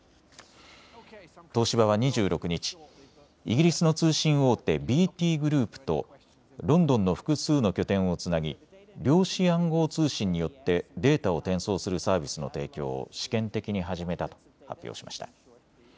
東芝は２６日、イギリスの通信大手、ＢＴグループとロンドンの複数の拠点をつなぎ量子暗号通信によってデータを転送するサービスの提供を試験的に始めたと発表しました。